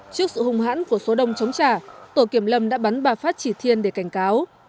trước sự hung hãn của số đông chống trả tổ kiểm lâm đã bắn bà phát chỉ thiên để cảnh cáo